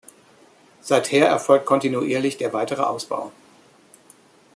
Seither erfolgt kontinuierlich der weitere Ausbau.